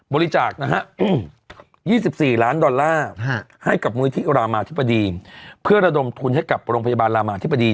บริจาคนะฮะ๒๔ล้านดอลลาร์ให้กับมูลิธิรามาธิบดีเพื่อระดมทุนให้กับโรงพยาบาลรามาธิบดี